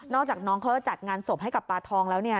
อกจากน้องเขาจะจัดงานศพให้กับปลาทองแล้วเนี่ย